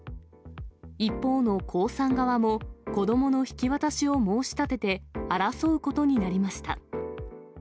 一方の江さん側も、子どもの引き渡しを申し立てて、争うことになりました。